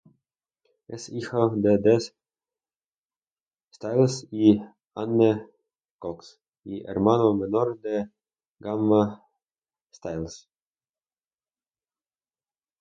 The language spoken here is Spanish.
Es hijo de Des Styles y Anne Cox, y hermano menor de Gemma Styles.